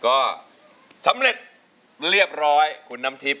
ก็สำเร็จเรียบร้อยคุณน้ำทิพย